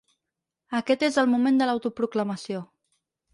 Aquest és el moment de l’autoproclamació.